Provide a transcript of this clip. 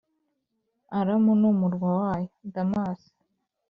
Aramu n’umurwa wayo, Damasi